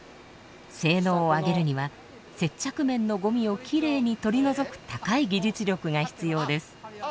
性能を上げるには接着面のゴミをきれいに取り除く高い技術力が必要です。